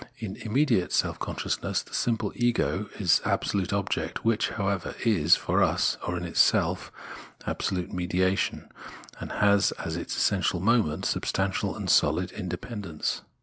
Tn immediate self consciousness the simple ego is absolute object, which, however, is for us or in itself absolute mediation, and has as its essential moment substantial and sohd independence.